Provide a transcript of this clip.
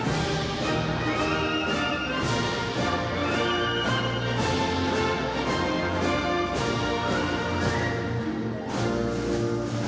yon lensar untuk menimet labradik e metrics at the tantrum